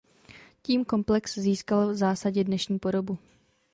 Tím komplex získal v zásadě dnešní podobu.